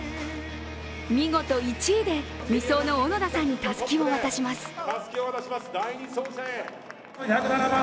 見事１位で、２走の小野田さんにたすきを渡します。